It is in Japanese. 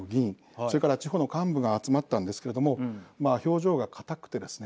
それから地方の幹部が集まったんですけれども表情が硬くてですね